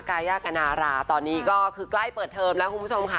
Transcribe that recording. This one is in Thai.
กายากนาราตอนนี้ก็คือใกล้เปิดเทอมแล้วคุณผู้ชมค่ะ